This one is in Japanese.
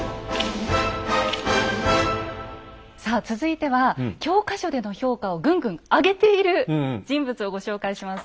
さあ続いては教科書での評価をぐんぐん上げている人物をご紹介します。